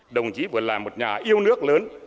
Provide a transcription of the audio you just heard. đồng chí vừa là một nhà yêu nước lớn